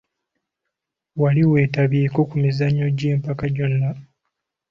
Wali wetabyeko ku mizannyo gy'empaka gyonna.?